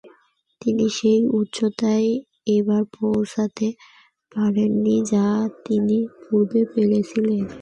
তিনি সেই উচ্চতায় এবার পৌছতে পারেননি যা তিনি পুর্বে পেরেছিলেন।